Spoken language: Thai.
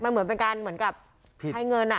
มันเหมือนกับให้เงิน